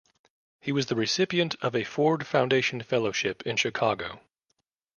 He was the recipient of a Ford Foundation fellowship in Chicago.